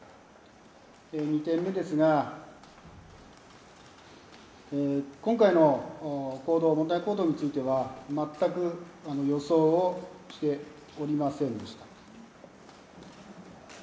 ２点目ですが、今回の問題行動については全く予想をしておりませんでした。